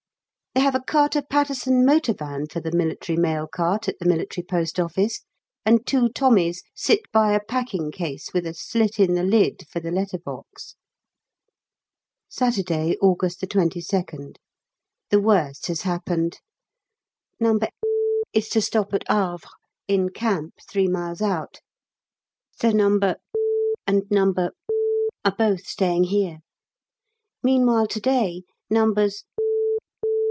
They have a Carter Paterson motor van for the Military mail cart at the M.P.O., and two Tommies sit by a packing case with a slit in the lid for the letter box. Saturday, August 22nd. The worst has happened. No. is to stop at Havre; in camp three miles out. So No. and No. are both staying here. Meanwhile to day Nos.